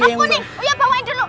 aku nih oya bawain dulu